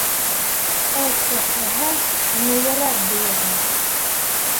Эт тешләһә, еңелерәк булыр ине.